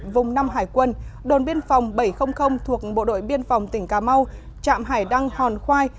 vùng năm hải quân đồn biên phòng bảy trăm linh thuộc bộ đội biên phòng tỉnh cà mau trạm hải đăng hòn khoai